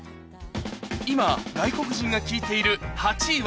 今外国人が聴いている８位は